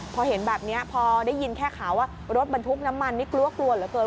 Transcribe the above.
พอเห็นแบบนี้พอได้ยินแค่ข่าวว่ารถบรรทุกน้ำมันนี่กลัวกลัวเหลือเกิน